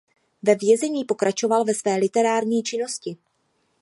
Ve vězení pokračoval ve své literární činnosti.